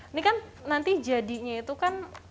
ini kan nanti jadinya itu kan